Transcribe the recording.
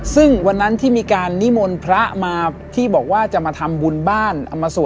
ซึ่งวันนั้นที่มีการนิมนต์พระมาที่บอกว่าจะมาทำบุญบ้านเอามาสวด